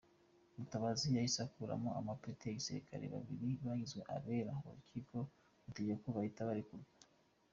Mutabazi yahise akuramo amapeti ya Gisirikari, babiri bagizwe abere Urukiko rutegeka ko bahita barekurwa.